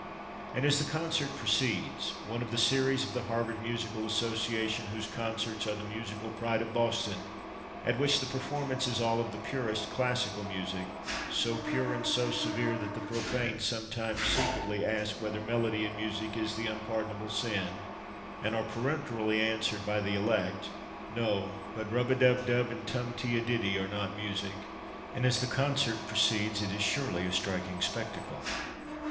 And as the concert proceeds one of the series of the Harvard Musical Association, whose concerts are the musical pride of Boston, at which the performance is all of the purest classical music, so pure and so severe that the profane sometimes secretly ask whether melody in music is the unpardonable sin, and are peremptorily answered by the elect: "No, but rub a dub dub and tumti id dity are not music" and as the concert proceeds it is surely a striking spectacle.